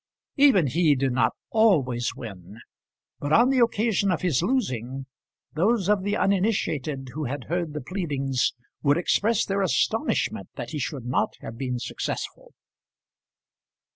Even he did not always win; but on the occasion of his losing, those of the uninitiated who had heard the pleadings would express their astonishment that he should not have been successful.